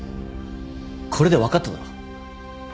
これで分かっただろ。